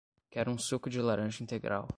Quero um suco de laranja integral